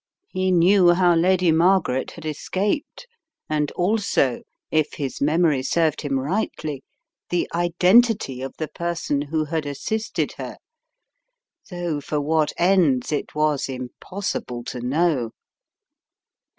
He knew how Lady Margaret had escaped and also, if his memory served him rightly, the identity of the person who had assisted her, though for what ends it was impossible to know.